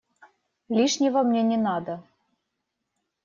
Лишнего мне не надо.